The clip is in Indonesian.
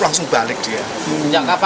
langsung balik dia